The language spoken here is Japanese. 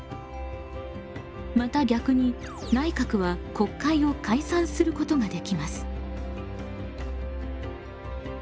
また逆に内閣は国会を解散することができます。